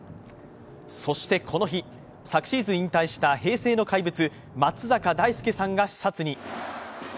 そしてこの日昨シーズン引退した平成の怪物松坂大輔さんが視察に。